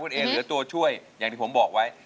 คุณเอเหลือตัวช่วยอย่างที่ผมบอกไว้